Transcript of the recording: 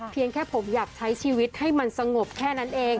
เพียงแค่ผมอยากใช้ชีวิตให้มันสงบแค่นั้นเอง